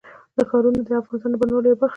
ښارونه د افغانستان د بڼوالۍ یوه برخه ده.